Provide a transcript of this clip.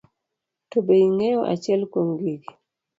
To be ing'eyo achiel kuom gigi.